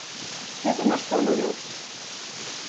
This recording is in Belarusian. Гэта на што намёк?